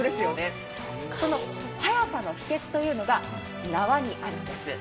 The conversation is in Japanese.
その速さの秘訣というのが縄にあるんです。